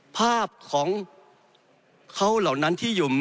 ภาพของเขาเหล่านั้นที่อยู่